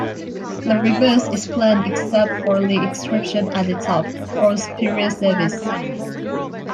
The reverse is plain except for the inscription at the top, "For Superior Service".